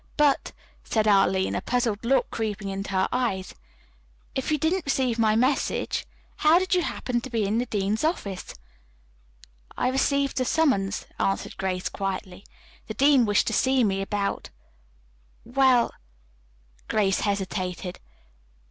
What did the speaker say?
But," said Arline, a puzzled look creeping into her eyes, "if you didn't receive my message, how did you happen to be in the dean's office?" "I received a summons," answered Grace quietly. "The dean wished to see me about well " Grace hesitated.